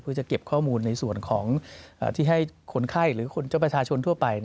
เพื่อจะเก็บข้อมูลในส่วนของที่ให้คนไข้หรือคนเจ้าประชาชนทั่วไป